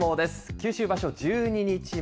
九州場所１２日目。